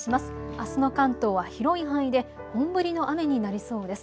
あすの関東は広い範囲で本降りの雨になりそうです。